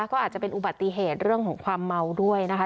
ก็อาจจะเป็นอุบัติเหตุเรื่องของความเมาด้วยนะคะ